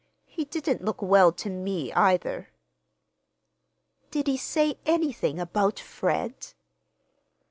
He didn't look well to me, either." "Did he say anything about—Fred?"